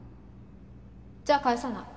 じゃあ返さない。